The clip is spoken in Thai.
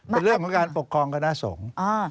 เป็นเรื่องของการปกครองคณะสงฆ์